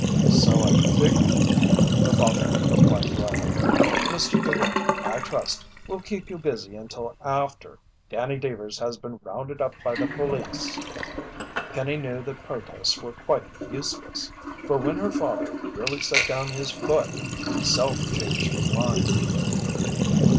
"So I figured," her father replied dryly. "Mr. DeWitt, I trust, will keep you busy until after Danny Deevers has been rounded up by the police." Penny knew that protests were quite useless, for when her father really set down his foot, he seldom changed his mind.